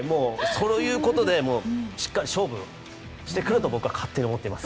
そういうことでしっかり勝負してくると僕は勝手に思っています。